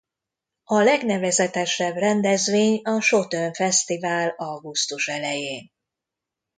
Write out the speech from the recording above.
A legnevezetesebb rendezvény a sotön fesztivál augusztus elején.